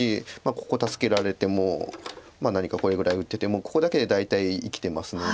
ここ助けられても何かこれぐらい打っててもここだけで大体生きてますので。